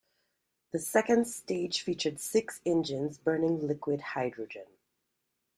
The second stage featured six engines burning liquid hydrogen.